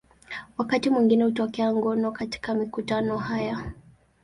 Wakati mwingine hutokea ngono katika mikutano haya.